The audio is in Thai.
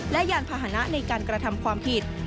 และยานพาหนะในการกระทำความผิด